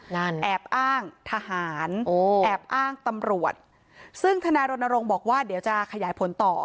แอบอ้างทหารโอ้แอบอ้างตำรวจซึ่งธนายรณรงค์บอกว่าเดี๋ยวจะขยายผลต่อ